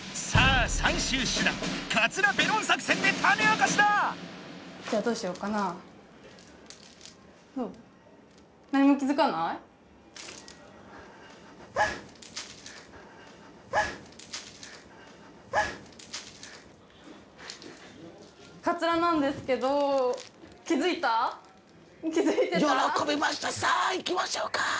さあいきましょうか！